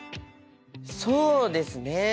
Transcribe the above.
そうですね